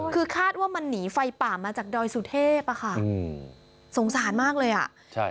คือคาดว่ามันหนีไฟป่ามาจากดอยสุเทพอ่ะค่ะอืมสงสารมากเลยอ่ะใช่